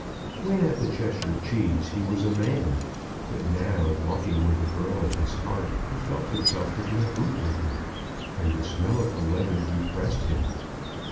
When at the Cheshire Cheese he was a man; but now, walking with the girl of his heart, he felt himself to be a bootmaker, and the smell of the leather depressed him.